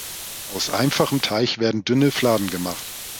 Aus einfachem Teig werden dünne Fladen gemacht.